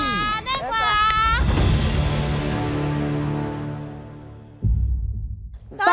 น้อยกว่า